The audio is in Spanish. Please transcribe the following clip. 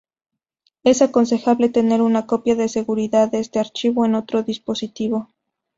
Es aconsejable tener una copia de seguridad de este archivo en otro dispositivo